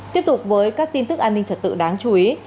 tiếp tục với các tin tức an ninh trật tự đáng chú ý